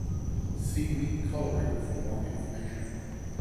See weak coloring for more information.